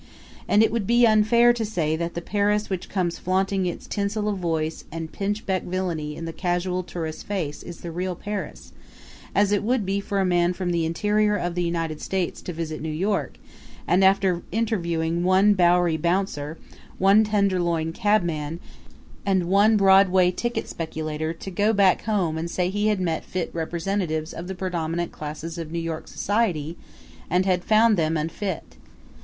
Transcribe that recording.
And it would be as unfair to say that the Paris which comes flaunting its tinsel of vice and pinchbeck villainy in the casual tourist's face is the real Paris, as it would be for a man from the interior of the United States to visit New York and, after interviewing one Bowery bouncer, one Tenderloin cabman, and one Broadway ticket speculator, go back home and say he had met fit representatives of the predominant classes of New York society and had found them unfit.